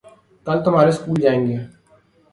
کل تمہارے سکول جائیں گے